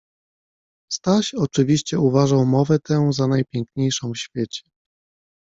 Staś, oczywiście, uważał mowę tę za najpiękniejszą w świecie.